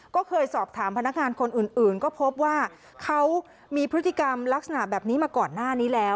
ก็เคยสอบถามพนักงานคนอื่นก็พบว่าเขามีพฤติกรรมลักษณะแบบนี้มาก่อนหน้านี้แล้ว